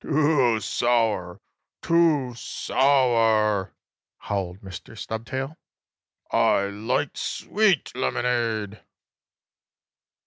"Too sour! Too sour!" howled Mr. Stubtail. "I like sweet lemonade!"